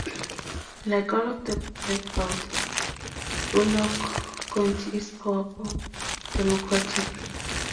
Like all of the Black Belt, Bullock County is powerfully Democratic.